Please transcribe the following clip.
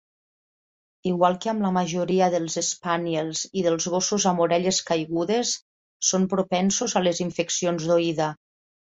Igual que amb la majoria dels spaniels i dels gossos amb orelles caigudes, són propensos a les infeccions d'oïda.